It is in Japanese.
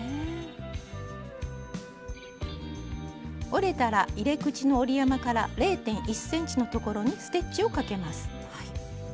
折れたら入れ口の折り山から０．１ｃｍのところにステッチをかけます。